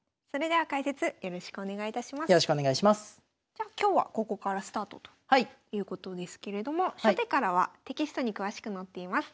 じゃあ今日はここからスタートということですけれども初手からはテキストに詳しく載っています。